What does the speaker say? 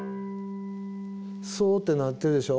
「ソ」って鳴ってるでしょう？